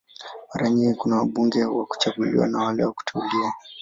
Mara nyingi kuna wabunge wa kuchaguliwa na wale wa kuteuliwa.